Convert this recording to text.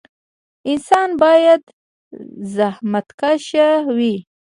انسان باید زخمتکشه وي